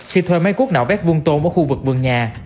khi thuê máy cuốc nạo vét vuông tôn ở khu vực vườn nhà